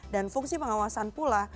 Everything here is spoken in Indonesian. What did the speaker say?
dan fungsi pengawasan pula